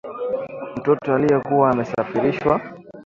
mtoto aliyekuwa amesafirishwa